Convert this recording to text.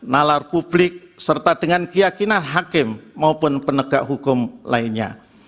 nalar publik serta dengan keyakinan hakim maupun penegak hukum lainnya